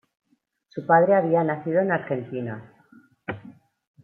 Su padre había nacido en Argentina.